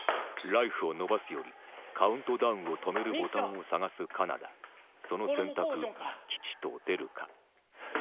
ライフを延ばすよりカウントダウンを止めるボタンを探す金田その選択吉と出るか？